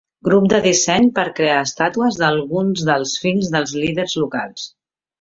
Grup de disseny per crear estàtues d'alguns dels fills dels líders locals.